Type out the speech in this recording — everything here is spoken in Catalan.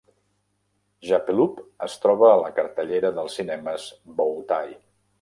"Jappeloup" es troba a la cartellera dels cinemes Bow Tie